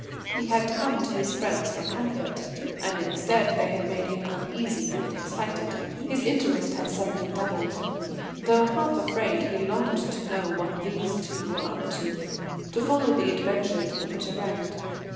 He had come to his friends for comfort, and instead they had made him uneasy and excited. His interest had suddenly doubled. Though half afraid, he longed to know what these two were up to to follow the adventure to the bitter end.